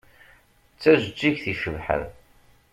D tajeǧǧigt icebḥen.